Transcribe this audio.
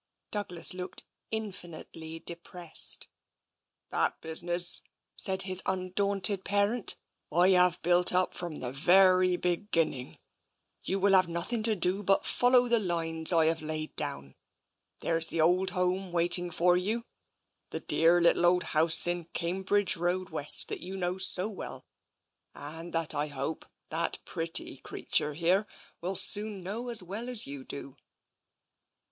Douglas looked infinitely depressed. " That business," said his undaunted parent, " I have built up from the very beginning. You will have noth ing to do but follow the lines I have laid down. There's the old home w^aiting for you, the dear little old house in Cambridge Road West that you know so well, and that I hope that pretty creature here will soon know as well as you do."